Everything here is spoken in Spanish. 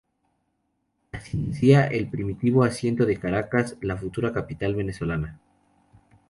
Así nacía el primitivo asiento de Caracas, la futura capital venezolana.